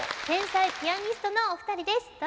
天才ピアニストのお二人です。